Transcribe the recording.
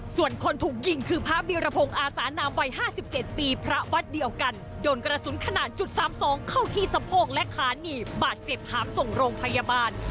ส่วนคนถูกยิงคือพระวิรพงศ์อาสานามวัย๕๗ปีพระวัดเดียวกันโดนกระสุนขนาดจุด๓๒เข้าที่สะโพกและขาหนีบบาดเจ็บหามส่งโรงพยาบาล